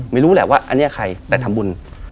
ไม่รู้แหละว่าอันนี้ใครแต่ทำบุญ